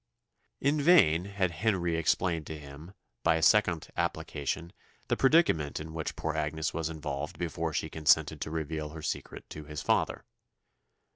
In vain had Henry explained to him, by a second application, the predicament in which poor Agnes was involved before she consented to reveal her secret to his father.